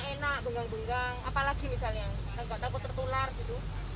banyak enak bengkang bengkang apalagi misalnya yang takut tertular gitu